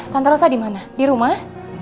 tante rosa dimana di rumah